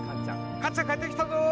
「母ちゃん帰ってきたぞ！」